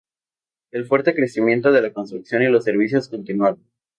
El fuerte crecimiento de la construcción y los servicios continuaron.